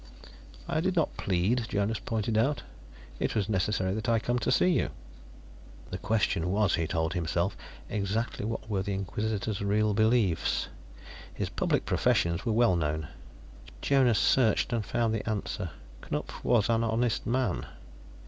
"I did not plead," Jonas pointed out. "It was necessary that I come to see you." The question was, he told himself, exactly what were the Inquisitor's real beliefs? His public professions were well known; Jonas searched and found the answer. Knupf was an honest man.